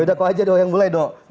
yaudah kau aja dong yang mulai dong